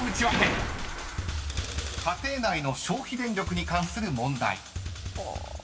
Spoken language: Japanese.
［家庭内の消費電力に関する問題］